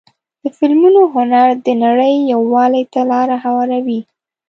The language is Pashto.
د فلمونو هنر د نړۍ یووالي ته لاره هواروي.